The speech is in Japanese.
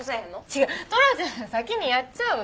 違うトラちゃんが先にやっちゃうの。